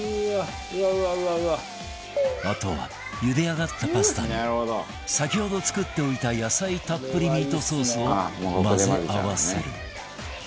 あとはゆで上がったパスタに先ほど作っておいた野菜たっぷりミートソースを混ぜ合わせる